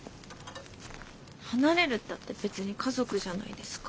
離れるったって別に家族じゃないですか。